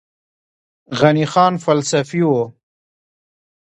غني خان فلسفي و